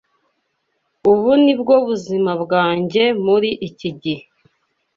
Ubu ni bwo buzima bwanjye muri iki gihe.